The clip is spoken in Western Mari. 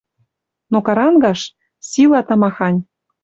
Но карангаш... Сила тамахань